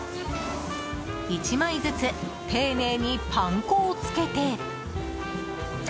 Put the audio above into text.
１枚ずつ丁寧にパン粉をつけて。